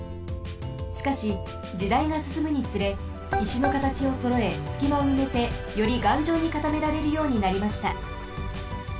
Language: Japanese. しかし時代がすすむにつれいしのかたちをそろえすきまをうめてよりがんじょうにかためられるようになりました。